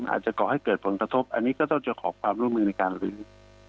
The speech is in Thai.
ก่อให้เกิดผลกระทบอันนี้ก็ต้องจะขอความร่วมมือในการลื้อ